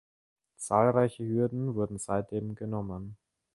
Zahlreiche Hürden wurden seitdem genommen.